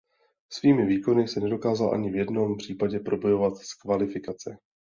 Svými výkony se nedokázal ani v jednom případě probojovat z kvalifikace.